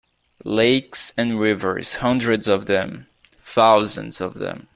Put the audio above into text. Lakes and rivers, hundreds of them, thousands of them.